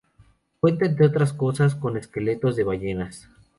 Cuenta, entre otras cosas, con esqueletos de ballenas.